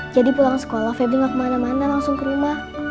jadi pulang sekolah febri gak kemana mana langsung ke rumah